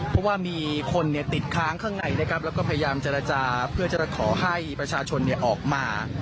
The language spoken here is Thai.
เพราะว่ามีคนติดค้างข้างในนะครับแล้วก็พยายามเจรจาเพื่อจะขอให้ประชาชนออกมา